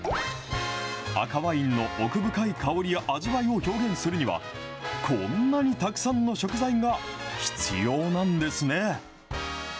赤ワインの奥深い香りや味わいを表現するには、こんなにたくさんの食材が必要なんですね。